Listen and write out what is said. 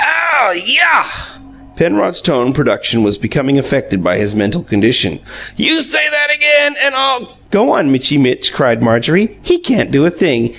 "Ow YAH!" Penrod's tone production was becoming affected by his mental condition. "You say that again, and I'll " "Go on, Mitchy Mitch," cried Marjorie. "He can't do a thing.